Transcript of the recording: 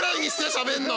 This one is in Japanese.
しゃべるの。